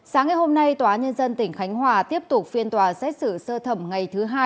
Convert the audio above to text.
sáng ngày hôm nay tòa nhân dân tỉnh khánh hòa tiếp tục phiên tòa xét xử sơ thẩm ngày thứ hai